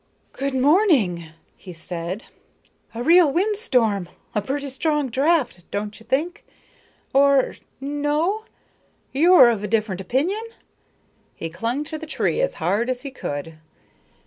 "Good morning," he said, "a real wind storm a pretty strong draught, don't you think, or no? You are of a different opinion?" He clung to the tree as hard as he could.